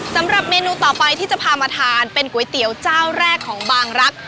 สำหรับเมนูต่อไปที่จะพามาทานเป็นก๋วยเตี๋ยวเจ้าแรกของบางรัก